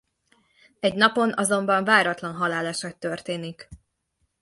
Egy napon azonban váratlan haláleset történik.